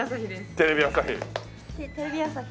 テレビ朝日です。